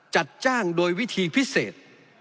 จัดจ้างโดยวิธีพิเศษ